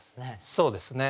そうですね。